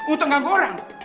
untuk ganggu orang